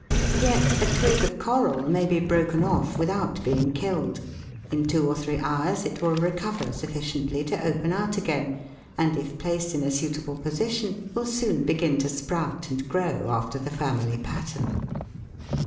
Yet a twig of coral may be broken off without being killed ; in two or three hours it will recover sufficiently to open out again, and if placed in a suitable position will soon begin to sprout and grow after the family pattern.